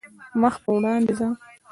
مخ پر وړاندې ځه .